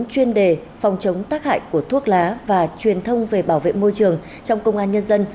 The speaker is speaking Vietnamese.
chuyên đề phòng chống tác hại của thuốc lá và truyền thông về bảo vệ môi trường trong công an nhân dân